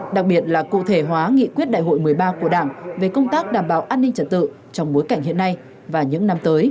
đặc biệt là cụ thể hóa nghị quyết đại hội một mươi ba của đảng